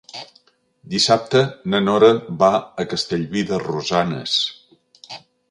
Dissabte na Nora va a Castellví de Rosanes.